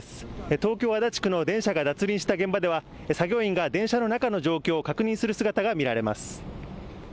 東京足立区の電車が脱輪した現場では作業員が電車の中の状況を確認する姿が見られます。